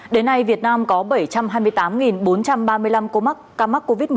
đến nay việt nam có bảy trăm hai mươi tám bốn trăm ba mươi năm ca mắc ca mắc covid một mươi chín